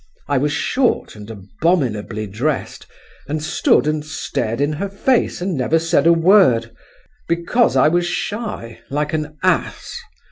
I was short and abominably dressed, and stood and stared in her face and never said a word, because I was shy, like an ass!